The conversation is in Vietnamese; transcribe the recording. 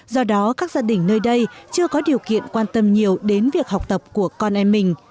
do đó các gia đình nơi đây chưa có điều kiện quan tâm nhiều đến việc học tập của con em mình